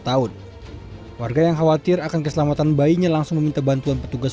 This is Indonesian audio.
tahun warga yang khawatir akan keselamatan bayinya langsung meminta bantuan petugas